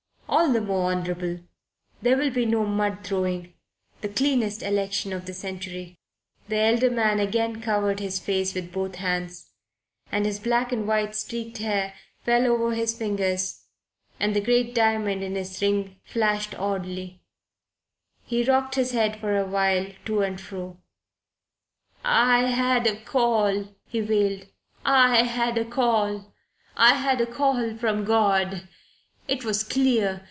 "All the more honourable. There'll be no mud throwing. The cleanest election of the century." The elder man again covered his face with both hands, and his black and white streaked hair fell over his fingers and the great diamond in his ring flashed oddly, and he rocked his head for a while to and fro. "I had a call," he wailed. "I had a call. I had a call from God. It was clear.